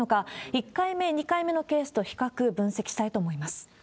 １回目、２回目のケースと比較、分析したいと思います。